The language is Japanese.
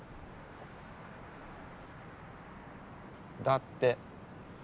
だって。